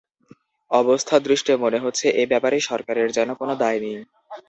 অবস্থাদৃষ্টে মনে হচ্ছে এ ব্যাপারে সরকারের যেন কোনো দায় নেই।